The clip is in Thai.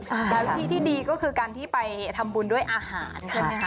แต่วิธีที่ดีก็คือการที่ไปทำบุญด้วยอาหารใช่ไหมคะ